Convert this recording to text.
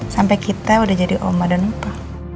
sampai kita udah jadi oma dan lupa